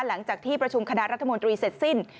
หลังจากที่ประชุมคณะรัฐมนตรีเสร็จสิ้น